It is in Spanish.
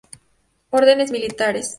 Órdenes Militares.